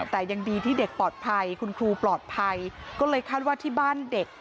แต่ยังดีที่เด็กปลอดภัยคุณครูปลอดภัยก็เลยคาดว่าที่บ้านเด็ก